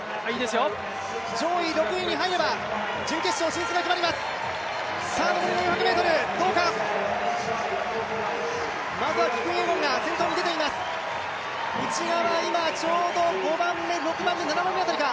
上位６位に入れば準決勝進出が決まります、残り２００ｍどうか。